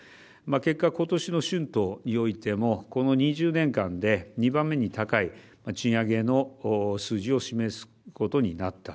結果、ことしの春闘においてもこの２０年間で２番目に高い賃上げの数字を示すことになった。